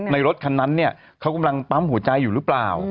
รถคันนั้นเนี่ยเขากำลังปั๊มหัวใจอยู่หรือเปล่า